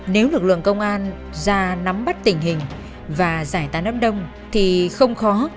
nếu lực lượng công an ra nắm bắt tình hình và giải tán đám đông thì không khó